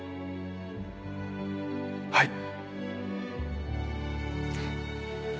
はい。